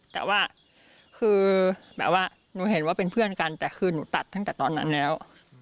แต่ว่าคือแบบว่าหนูเห็นว่าเป็นเพื่อนกันแต่คือหนูตัดตั้งแต่ตอนนั้นแล้ว